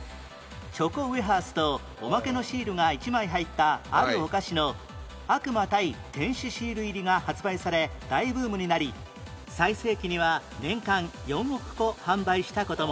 チョコウェハースとおまけのシールが１枚入ったあるお菓子の「悪魔 ＶＳ 天使シール入り！」が発売され大ブームになり最盛期には年間４億個販売した事も